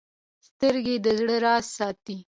سترګې د زړه راز ساتي